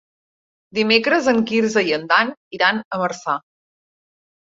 Dimecres en Quirze i en Dan iran a Marçà.